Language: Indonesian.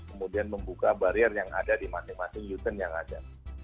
kemudian membuka barier yang ada di masing masing uten yang ada